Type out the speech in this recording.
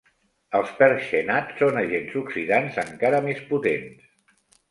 Els perxenats són agents oxidants encara més potents.